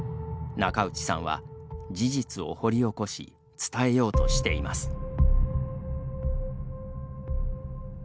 中内さんは事実を掘り起こし伝えようとしています。